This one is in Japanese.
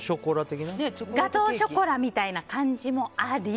ガトーショコラみたいな感じもあり。